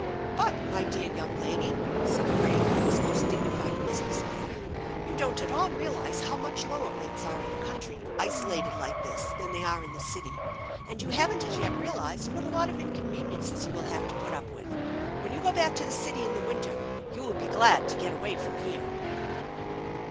: *But, my dear young lady," said Graham in his most dignified business manner, " you don't at all realize how much lower rents are in the country, isolated like this, than they are in the city ; and you haven't as yet realized what a lot of incon veniences you have to put up with. When you go back to the city in the winter, you will be glad to get away from here."